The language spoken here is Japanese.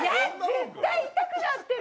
絶対痛くなってる！